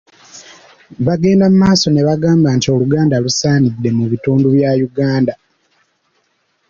Bagenda mu maaso ne bagamba nti Oluganda lusaasaanidde mu bitundu bya Uganda.